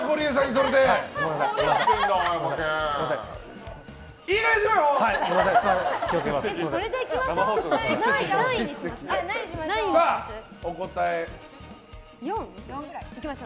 それでいきましょ。